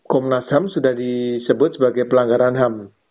komnas ham sudah disebut sebagai pelanggaran ham